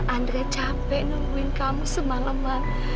andre capek nungguin kamu semalem mak